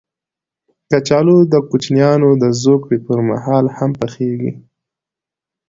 کچالو د کوچنیانو د زوکړې پر مهال هم پخېږي